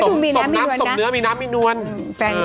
สมเนื้อมีน้ำมีนวล